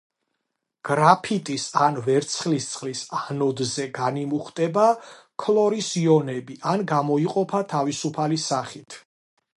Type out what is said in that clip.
გრაფიტის ან ვერცხლისწყლის ანოდზე განიმუხტება ქლორის იონები და გამოიყოფა თავისუფალი სახით.